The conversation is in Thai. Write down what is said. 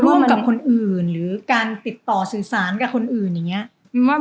ร่วมกับคนอื่นหรือการติดต่อสื่อสารกับคนอื่นอย่างนี้